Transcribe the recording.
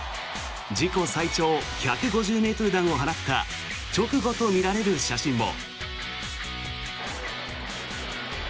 自己最長１５０ｍ弾を放った直後とみられる写真も。